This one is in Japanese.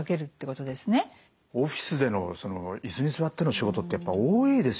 オフィスでの椅子に座っての仕事ってやっぱ多いですよね。